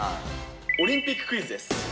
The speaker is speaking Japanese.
オリンピッククイズです。